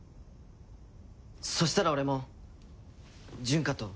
そしたら俺も純加と。